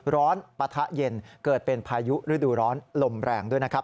ปะทะเย็นเกิดเป็นพายุฤดูร้อนลมแรงด้วยนะครับ